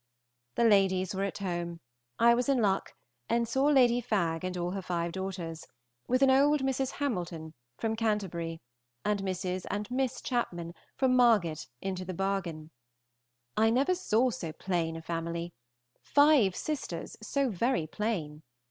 The ladies were at home. I was in luck, and saw Lady Fagg and all her five daughters, with an old Mrs. Hamilton, from Canterbury, and Mrs. and Miss Chapman, from Margate, into the bargain. I never saw so plain a family, five sisters so very plain!